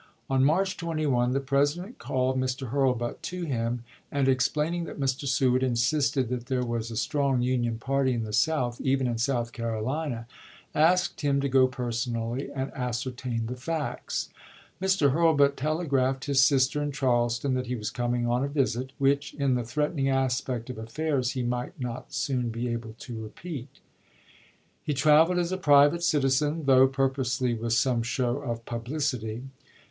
On i86i. March 21 the President called Mr. Hurlbut to him, and explaining that Mr. Seward insisted that there was a strong Union party in the South, — even in South Carolina, — asked him to go personally and ascertain the facts. Mr. Hurlbut telegraphed his sister in Charleston that he was coming on a visit, which, in the threatening aspect of affairs, he might not soon be able to repeat. He traveled as a private citizen, though purposely with some show of pub licity.